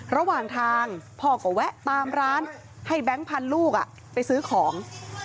ระหว่างทางพ่อก็แวะตามร้านให้แบงค์พันธุ์ลูกไปซื้อของ